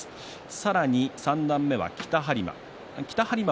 さらに三段目は北はり磨。